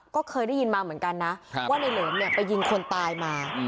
ก็เคยได้ยินมาเหมือนกันนะว่าในเหลิมเนี่ยไปยิงคนตายมา